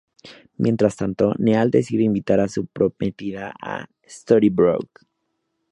Mientras tanto, Neal decide invitar a su prometida a Storybrooke.